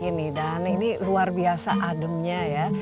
ini luar biasa ademnya ya